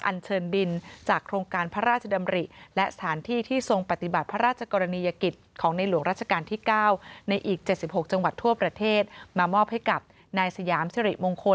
อันเชิญดินจากโครงการพระราชดำริ